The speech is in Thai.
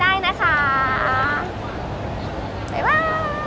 นัดมีเจอกับเกาหลีได้